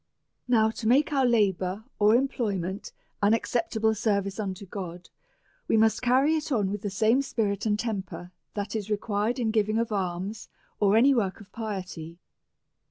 Now, to make our labour or employment an ac ceptable service unto God, we must carry it on with the same spirit and temper that is required in giving of alms, or any work of piety.